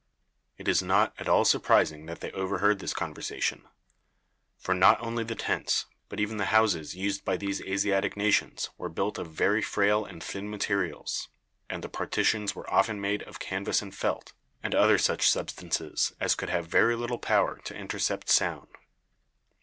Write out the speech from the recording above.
It is not at all surprising that they overheard this conversation, for not only the tents, but even the houses used by these Asiatic nations were built of very frail and thin materials, and the partitions were often made of canvas and felt, and other such substances as could have very little power to intercept sound.